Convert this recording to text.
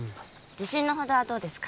自信のほどはどうですか？